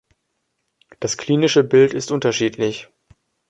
Das klinische Bild ist unterschiedlich.